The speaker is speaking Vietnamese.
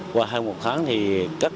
qua hai mươi một tháng thì các tổ